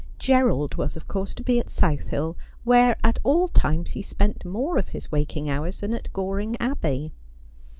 Gerald was of course to be at South Hill, where at all times he spent more of his waking hours than aii Goring Abbey.